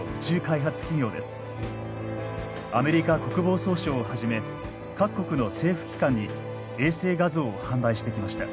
アメリカ国防総省をはじめ各国の政府機関に衛星画像を販売してきました。